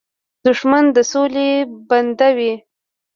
دښمن د سولې بنده وي